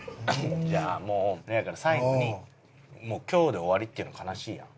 じゃあもうなんやから最後に今日で終わりっていうの悲しいやん。